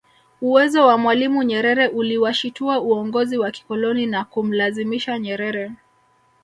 Uwezo wa mwalimu Nyerere uliwashitua uongozi wa kikoloni na kumlazimisha Nyerere